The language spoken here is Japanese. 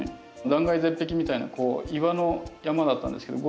断崖絶壁みたいなこう岩の山だったんですけど５６